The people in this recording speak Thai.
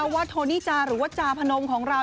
โทนี่จาหรือว่าจาพนมของเรา